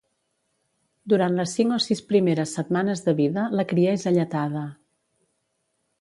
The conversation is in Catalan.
Durant les cinc o sis primeres setmanes de vida, la cria és alletada.